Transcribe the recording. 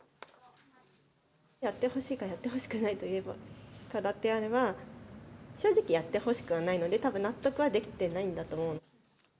やってほしいか、やってほしくないかとと言えば、正直やってほしくはないので、たぶん納得はできてないんだと思う。